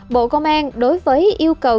bộ công an đối với yêu cầu